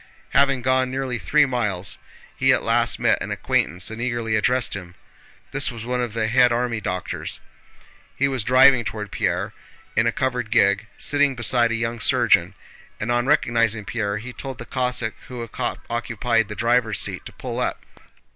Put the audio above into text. Having gone nearly three miles he at last met an acquaintance and eagerly addressed him. This was one of the head army doctors. He was driving toward Pierre in a covered gig, sitting beside a young surgeon, and on recognizing Pierre he told the Cossack who occupied the driver's seat to pull up.